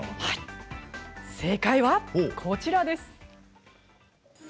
はい正解はこちらです。